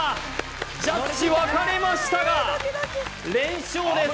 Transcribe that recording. ジャッジ分かれましたが連勝です